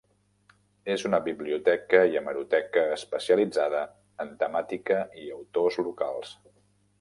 És una biblioteca i hemeroteca especialitzada en temàtica i autors locals.